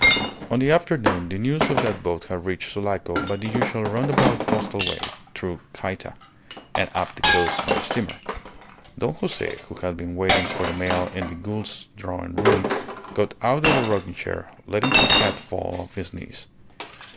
On the afternoon the news of that vote had reached Sulaco by the usual roundabout postal way through Cayta, and up the coast by steamer. Don Jose, who had been waiting for the mail in the Goulds' drawing room, got out of the rocking chair, letting his hat fall off his knees.